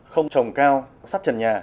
không trồng cao sắt trần nhà